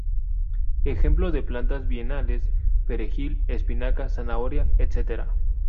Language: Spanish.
Ejemplo de plantas bienales: perejil, espinaca, zanahoria, etc.